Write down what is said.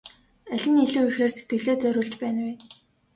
Аль нь илүү ихээр сэтгэлээ зориулж байна вэ?